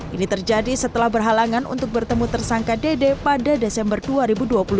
ini terjadi setelah berhalangan untuk bertemu tersangka dede pada desember dua ribu dua puluh